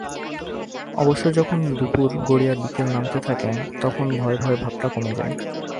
অবশ্য যখন দুপুর গড়িয়ে বিকেল নামতে থাকে, তখন ভয়ভয় ভাবটা কমে যায়।